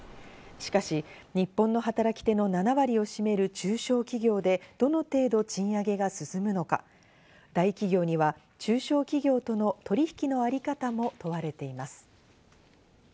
しかし日本の働き手の７割を占める中小企業でどの程度、賃上げが進むのか、大企業には中小企業との取引のあり方も問われています。